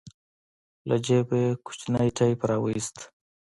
له جيبه يې کوچنى ټېپ راوايست.